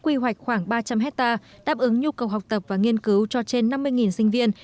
quy hoạch khoảng ba trăm linh hectare đáp ứng nhu cầu học tập và nghiên cứu cho trên năm mươi sinh viên